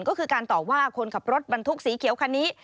ก็คือการตอบว่าคนขับรถบรรทุกสีเขียวคันนี้